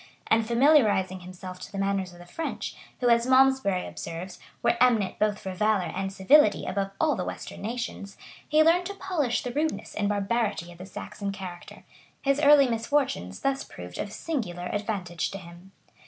And familiarizing himself to the manners of the French, who, as Malmsbury observes,[] were eminent both for valor and civility above all the western nations, he learned to polish the rudeness and barbarity of the Saxon character: his early misfortunes thus proved of singular advantage to him.